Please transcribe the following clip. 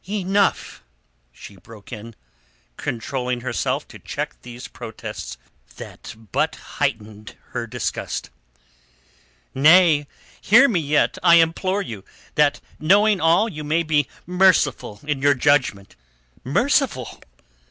Enough!" she broke in, controlling herself to check these protests that but heightened her disgust. "Nay, hear me yet, I implore you; that knowing all you may be merciful in your judgment." "Merciful?"